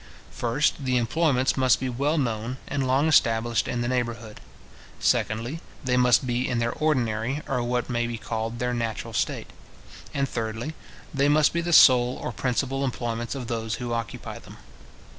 First the employments must be well known and long established in the neighbourhood; secondly, they must be in their ordinary, or what may be called their natural state; and, thirdly, they must be the sole or principal employments of those who occupy them.